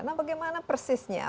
nah bagaimana persisnya